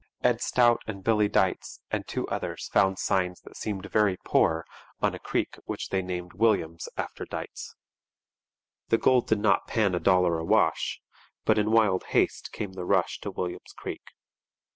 Ed Stout and Billy Deitz and two others found signs that seemed very poor on a creek which they named William's after Deitz. The gold did not pan a dollar a wash; but in wild haste came the rush to William's Creek.